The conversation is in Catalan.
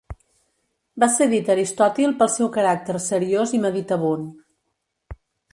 Va ser dit Aristòtil pel seu caràcter seriós i meditabund.